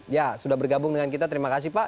ya sudah bergabung dengan kita terima kasih pak